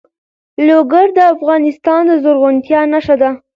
لوگر د افغانستان د زرغونتیا نښه ده.